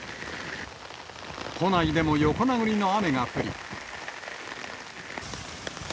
都内でも横殴りの雨が降り。